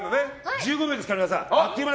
１５秒ですから、皆さん。